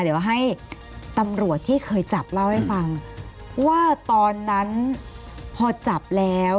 เดี๋ยวให้ตำรวจที่เคยจับเล่าให้ฟังว่าตอนนั้นพอจับแล้ว